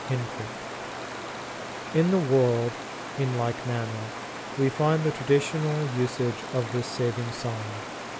"In the world, in like manner, we find the traditional usage of this saving sign.